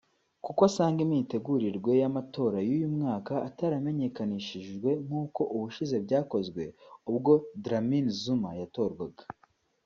kuko asanga imitegurirwe y’amatora y’uyu mwaka ataramenyekanishijwe nk’uko ubushize byakozwe ubwo Dlamini-Zuma yatorwaga